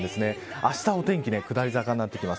あした、お天気下り坂になってきます。